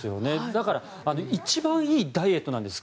だから一番いいダイエットなんです。